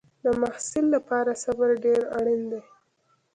د محصل لپاره صبر ډېر اړین دی.